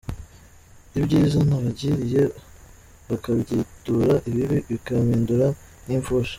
Ibyiza nabagiriye bakabyitura ibibi, Bikampindura nk’impfusha.